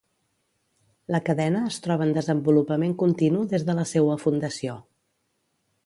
La cadena es troba en desenvolupament continu des de la seua fundació.